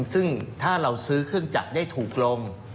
ซึ่งถ้าเราซื้อเครื่องจักรได้ถูกลง